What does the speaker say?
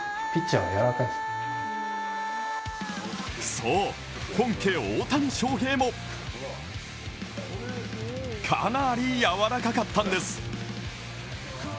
そう、本家・大谷翔平もかなりやわらかかったんです。